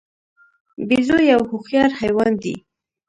بیزو یو هوښیار حیوان دی.